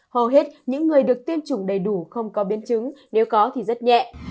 hầu hết những người được tiêm chủng đầy đủ không có biến chứng nếu có thì rất nhẹ